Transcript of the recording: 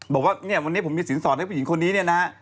บอกว่าเนี่ยวันนี้ผมมีสินสอนให้ผู้หญิงคนนี้เนี่ยนะ